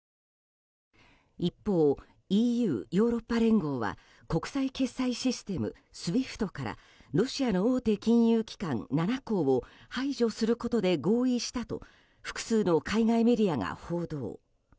一方、ＥＵ・ヨーロッパ連合は国際決済システム・ＳＷＩＦＴからロシアの大手金融機関７行を排除することで合意したと複数の海外メディアが報道。